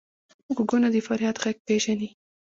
غوږونه د فریاد غږ پېژني